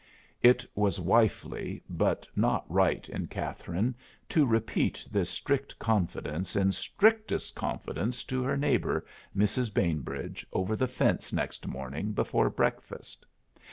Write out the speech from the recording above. It was wifely but not right in Catherine to repeat this strict confidence in strictest confidence to her neighbor, Mrs. Bainbridge, over the fence next morning before breakfast.